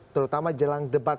terutama jalan debat